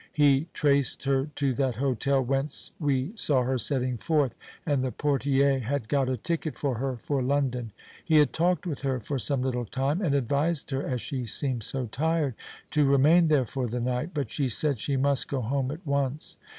He traced her to that hotel whence we saw her setting forth, and the portier had got a ticket for her for London. He had talked with her for some little time, and advised her, as she seemed so tired, to remain there for the night. But she said she must go home at once.